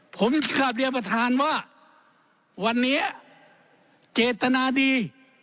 ผมกลับเรียนประธานว่าวันนี้เจตนาดี